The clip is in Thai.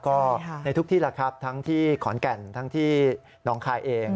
ก็ในทุกที่แหละครับทั้งที่ขอนแก่นทั้งที่น้องคายเอง